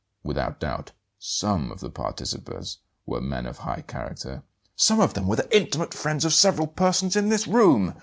Without doubt, SOME of the participators were men of high character " "Some of them were the intimate friends of several persons in this room!"